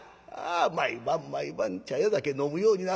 毎晩毎晩茶屋酒飲むようになる。